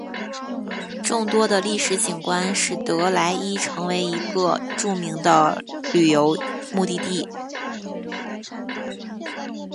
众多的历史景观使得莱伊成为一个著名的旅游目的地。